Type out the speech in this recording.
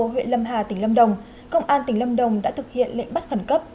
huyện lâm hà tỉnh lâm đồng công an tỉnh lâm đồng đã thực hiện lệnh bắt khẩn cấp